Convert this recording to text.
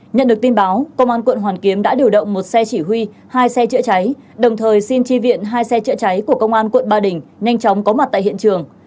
nhận được tin báo công an quận hoàn kiếm đã điều động một xe chỉ huy hai xe chữa cháy đồng thời xin tri viện hai xe chữa cháy của công an quận ba đình nhanh chóng có mặt tại hiện trường